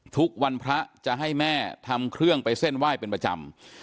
ทุกวันพระจะให้แม่ทำเครื่องไปเส้นไหว้เป็นประจำ